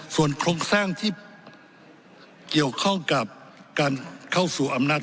ส่วนโครงสร้างที่เกี่ยวข้องกับการเข้าสู่อำนาจ